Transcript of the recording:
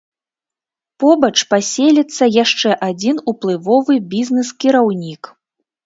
Побач паселіцца яшчэ адзін уплывовы бізнэс-кіраўнік.